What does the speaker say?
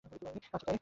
আচ্ছা, ভাই!